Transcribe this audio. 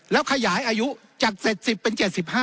แล้วขยายอายุจาก๗๐เป็น๗๕